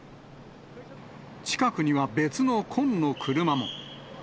近くには別の紺の車も。